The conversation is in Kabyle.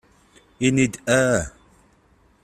Ini-d "aah".